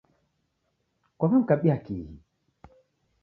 Kwaw'emkabia kihi?